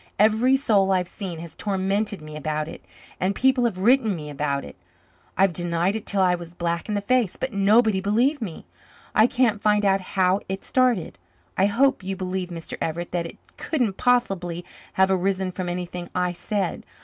"Every soul I've seen has tormented me about it, and people have written me about it. I've denied it till I was black in the face, but nobody believed me. I can't find out how it started. I hope you believe, Mr. Everett, that it couldn't possibly have arisen from anything I said.